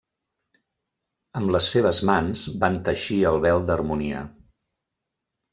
Amb les seves mans van teixir el vel d'Harmonia.